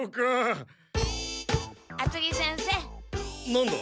なんだ？